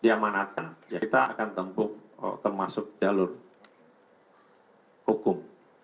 diamanatan ya kita akan tempuk termasuk jalur hukum